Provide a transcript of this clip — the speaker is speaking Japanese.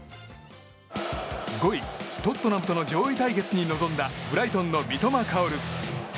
５位、トッテナムとの上位対決に臨んだブライトンの三笘薫。